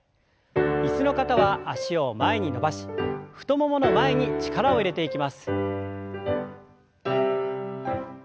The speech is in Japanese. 椅子の方は脚を前に伸ばし太ももの前に力を入れていきます。